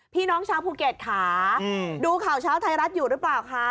พี่น้องชาวภูเก็ตค่ะดูข่าวเช้าไทยรัฐอยู่หรือเปล่าคะ